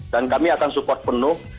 kami akan support penuh